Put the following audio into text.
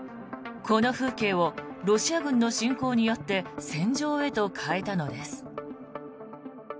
この風景をロシア軍の侵攻によって戦場へと変えたのです。